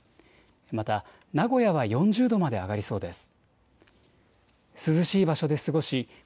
また名古屋は４０度まで上がりそうです。